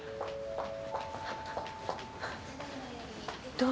どう？